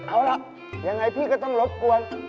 เอาละอย่างไรพี่ก็ต้องรับกวน